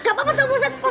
gak apa apa pak ustadz